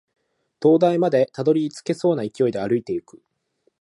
灯台までたどり着けそうな勢いで歩いていく